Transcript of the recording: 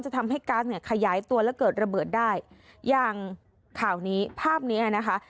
ทำให้ก๊าซเนี่ยขยายตัวและเกิดระเบิดได้อย่างข่าวนี้ภาพเนี้ยนะคะ